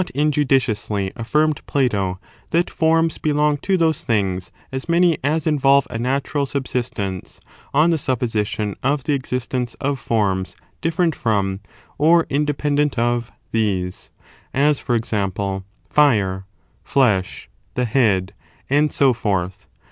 injudiciously affirmed Plato that forms belong to it,' in things those things as many as involve a natural sub Jhefr^/^)^® sistence, on the supposition of the existence of sistences from forms diflferent from, or independent of, these; *'""* as, for example, fire, flesh, the head, and so forth.